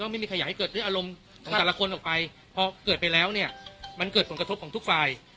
มันเกิดผลกระทบทุกฝ่าย